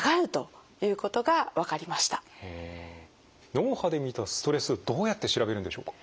脳波で見たストレスどうやって調べるんでしょうか？